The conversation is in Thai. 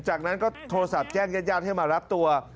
จากนั้นก็โทรศัพท์แจ้งแย่นให้มารับตัว